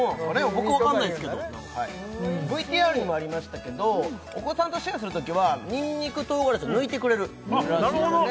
僕わかんないですけどＶＴＲにもありましたけどお子さんとシェアするときはにんにく唐辛子を抜いてくれるらしいですね